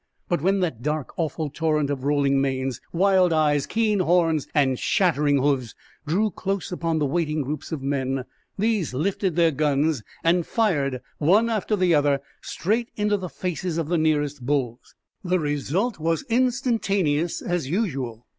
But when that dark, awful torrent of rolling manes, wild eyes, keen horns, and shattering hoofs drew close upon the waiting groups of men, these lifted their guns and fired, one after the other, straight in the faces of the nearest bulls. The result was instantaneous, as usual.